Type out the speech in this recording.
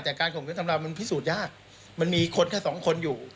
แต่การข่มขืนทำเรามันพิสูจน์ยากมันมีคนแค่สองคนอยู่